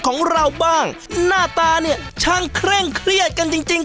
ของเราบ้างหน้าตาเนี่ยช่างเคร่งเครียดกันจริงจริง